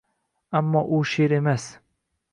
Ammo u she’r emas…